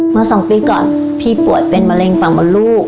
เมื่อสองปีก่อนพี่ป่วยเป็นมะเร็งฝั่งมดลูก